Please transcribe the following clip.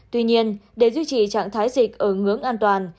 tuy nhiên để duy trì trạng thái dịch ở ngưỡng an toàn